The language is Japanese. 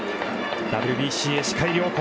ＷＢＣへ視界良好。